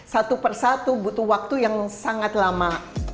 satu per satu butuh waktu yang sangat lama